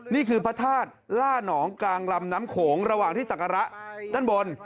นี่คือพระธาตุล่าหนองกลางลำน้ำโขงระหว่างที่ศักระด้านบน